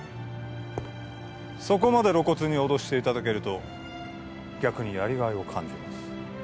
そこまで露骨に脅していただけると逆にやりがいを感じます